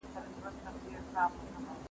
د شتمنو په مال کي د بي وزلو حق ثابت دی.